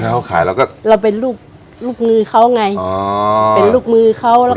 เขาขายเราก็เราเป็นลูกลูกมือเขาไงอ๋อเป็นลูกมือเขาแล้วก็